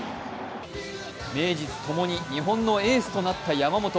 名実共に日本のエースとなった山本。